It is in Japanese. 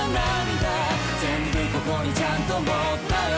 「全部ここにちゃんと持ったよ